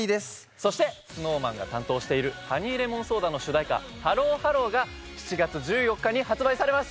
そしてＳｎｏｗＭａｎが担当している『ハニーレモンソーダ』の主題歌『ＨＥＬＬＯＨＥＬＬＯ』が７月１４日に発売されます。